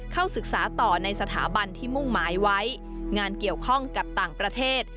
เข้าศึกษาต่อในสถาบันที่มุ่งหมายไว้งานเกี่ยวข้องกับต่างประเทศ